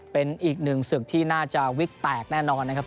เป็นอีกหนึ่งศึกที่น่าจะวิกแตกแน่นอนนะครับ